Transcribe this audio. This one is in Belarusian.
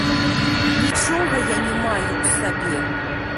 Нічога я не маю ў сабе.